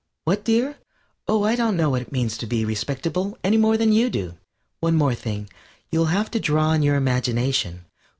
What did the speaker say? What, dear? Oh, I don't know what it means to be respectable any more than you do. One thing more. You'll have to draw on your imagination!